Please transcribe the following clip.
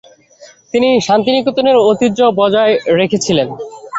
তিনি শান্তিনিকেতনের ঐতিহ্য বজায় রেখেছিলেন।